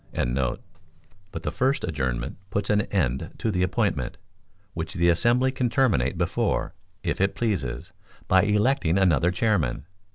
] but the first adjournment puts an end to the appointment, which the assembly can terminate before, if it pleases, by electing another chairman.